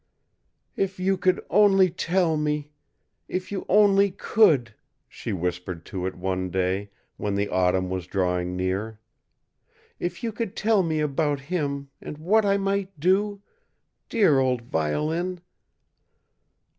"If you could only tell me if you only could!" she whispered to it one day, when the autumn was drawing near. "If you could tell me about him, and what I might do dear old violin!"